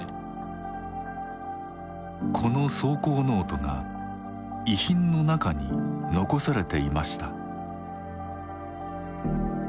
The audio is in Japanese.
この草稿ノートが遺品の中に残されていました。